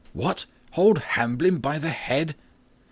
"What! hold Hamblin by the head?"